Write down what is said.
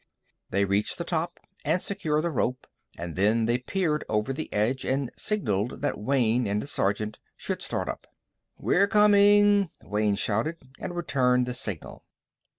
They reached the top and secured the rope, and then they peered over the edge and signalled that Wayne and the sergeant should start up. "We're coming," Wayne shouted, and returned the signal.